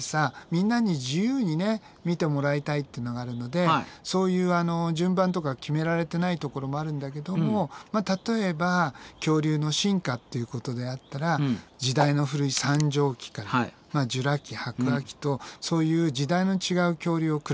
みんなに自由にね見てもらいたいってのがあるのでそういうあの順番とか決められてないところもあるんだけども例えば恐竜の進化っていうことであったら時代の古い三畳紀からジュラ紀白亜紀とそういう時代の違う恐竜を比べてみようとかさ。